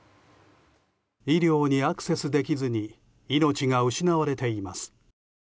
医療にアクセスできずに命が失われています。